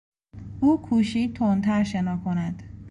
او کوشید تندتر شنا کند.